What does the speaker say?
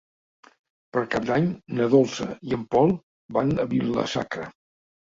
Per Cap d'Any na Dolça i en Pol van a Vila-sacra.